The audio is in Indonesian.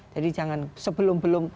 jadi jangan sebelum belum